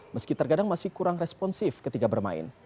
meski terkadang masih kurang responsif ketika bermain